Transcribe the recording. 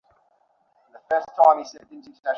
কী করে বলো?